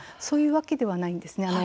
そういうわけではないんですね。